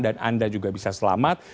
dan anda juga bisa selamat